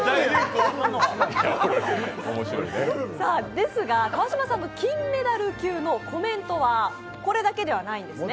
ですが、川島さんの金メダル級のコメントはこれだけではないんですね。